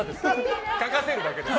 描かせるだけです。